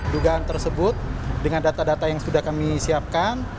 dugaan tersebut dengan data data yang sudah kami siapkan